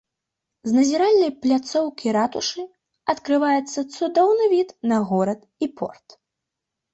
З назіральнай пляцоўкі ратушы адкрываецца цудоўны від на горад і порт.